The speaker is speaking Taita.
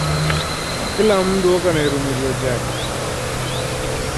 Kila mndu oka na irumirio jhake.